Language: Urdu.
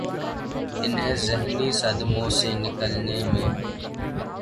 انہیں ذہنی صدموں سے نکلنے میں